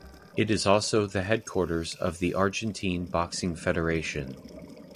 It is also the headquarters of the Argentine Boxing Federation.